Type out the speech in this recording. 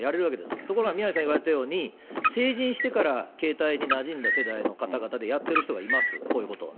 ところが宮根さん言われたように、成人してから携帯になじんだ世代の方々でやってる人がいます、こういうことをね。